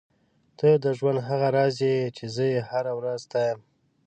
ته د ژوند هغه راز یې چې زه یې هره ورځ ستایم.